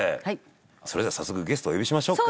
それでは早速ゲストをお呼びしましょうか？